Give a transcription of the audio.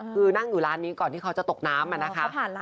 คือนั่งอยู่ร้านนี้ก่อนที่เขาจะตกน้ำนะคะ